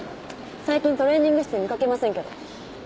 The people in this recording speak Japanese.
最近トレーニング室で見掛けませんけど。